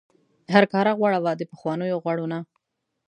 هرکاره غوړه وه د پخوانیو غوړو نه.